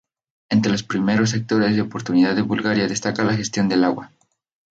Entre los principales sectores de oportunidad de Bulgaria destaca la gestión del agua.